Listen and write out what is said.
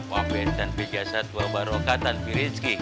wa bintan fi jasad wa barokatan fi rizqi